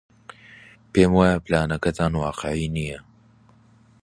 پێم وایە پلانەکەتان واقیعی نییە.